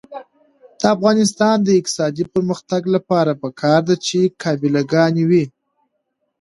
د افغانستان د اقتصادي پرمختګ لپاره پکار ده چې قابله ګانې وي.